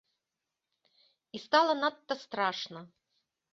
І стала надта страшна.